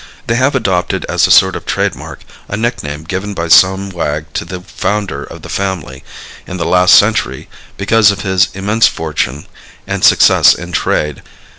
They have adopted as a sort of trademark, a nickname given by some wag to the founder of the family, in the last century because of his immense fortune and success in trade.